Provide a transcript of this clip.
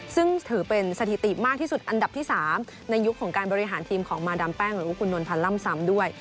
ซึ่งถือเป็นสถิติมากที่สุดอันดับที่๓ในยุคของการบริหารทีมของมาดามแป้งหรือว่าคุณนวลพันธ์ล่ำซ้ำด้วย